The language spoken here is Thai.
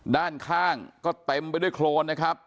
ด้านข้างก็เต็มไปด้วยโครนนะครับ